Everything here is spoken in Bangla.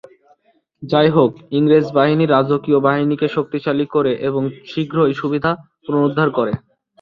যাইহোক, ইংরেজ বাহিনী রাজকীয় বাহিনীকে শক্তিশালী করে এবং শীঘ্রই সুবিধা পুনরুদ্ধার করে।